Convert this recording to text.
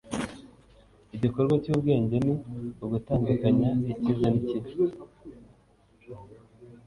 igikorwa c'ubwenge ni ugutandukanya icyiza n'ikibi